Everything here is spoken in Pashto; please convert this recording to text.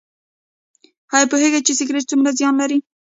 ایا پوهیږئ چې سګرټ څومره زیان لري؟